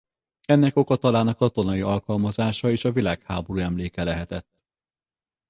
Ennek oka talán a katonai alkalmazása és a világháború emléke lehetett.